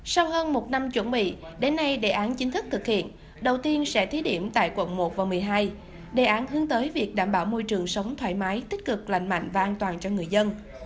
sau hơn một năm chuẩn bị đến nay đề án chính thức thực hiện đầu tiên sẽ thí điểm tại quận một và một mươi hai đề án hướng tới việc đảm bảo môi trường sống thoải mái tích cực lành mạnh và an toàn cho người dân